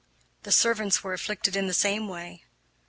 The servants were afflicted in the same way.